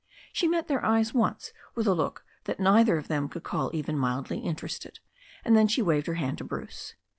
She met their eyes once with a look that neither of them could call even mildly interested, and then she waved her hand to Bruce.